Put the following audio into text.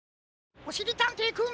おしりたんていくん。